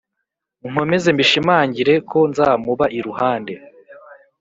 nkomeze mbishimangire ko nzamuba iruhande